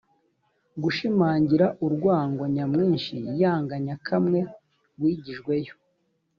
gushimangira urwango nyamwinshi yanga nyakamwe wigijweyo